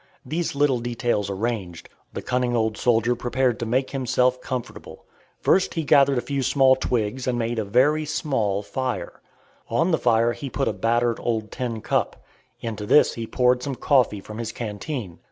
These little details arranged, the cunning old soldier prepared to make himself comfortable. First he gathered a few small twigs and made a very small fire. On the fire he put a battered old tin cup. Into this he poured some coffee from his canteen.